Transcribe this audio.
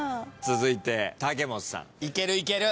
続いて武元さん。